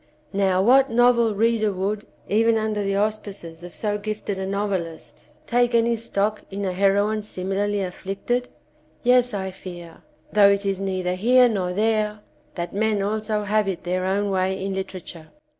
Now what novel reader would, even under the auspices of so gifted a novelist, take any stock in a heroine simi larly afflicted ? Yes I fear, though it is neither here nor there, that men also have it their own way in literature.